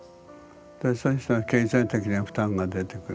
そしたら経済的な負担が出てくる。